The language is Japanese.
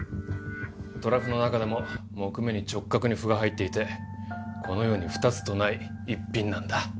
虎斑の中でも木目に直角に斑が入っていてこの世に二つとない逸品なんだ。